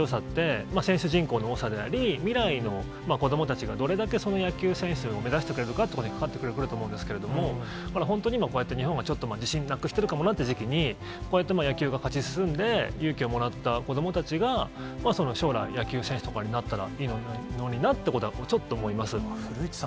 やっぱりその、たぶんスポーツの強さって、選手人口の多さであり、未来の子どもたちがどれだけ野球選手を目指してくれるかっていうところにかかってくるかなと思うんですけれども、本当に今、こうやって日本がちょっと自信なくしてるかもなっていう時期に、こうやって野球が勝ち進んで、勇気をもらった子どもたちが、将来野球選手とかになったらいいのになってことは、ちょっと思います。